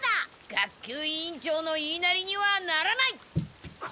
学級委員長の言いなりにはならない！